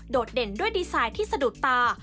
ดเด่นด้วยดีไซน์ที่สะดุดตา